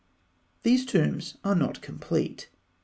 These tombs are not complete.